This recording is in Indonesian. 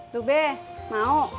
tuh be mau